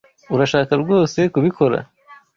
Urashaka rwose kubikora?